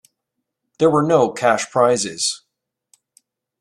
There were no cash prizes.